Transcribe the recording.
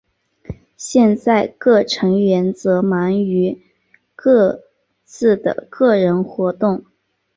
现在各成员则忙于各自的个人活动。